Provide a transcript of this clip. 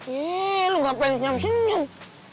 yee lo gak pengen senyum senyum